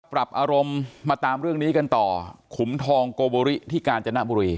ปรับอารมณ์มาตามเรื่องนี้กันต่อขุมทองโกโบริที่กาญจนบุรี